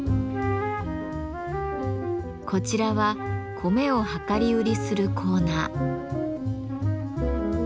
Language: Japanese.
こちらは米を量り売りするコーナー。